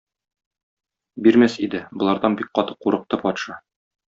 Бирмәс иде, болардан бик каты курыкты патша.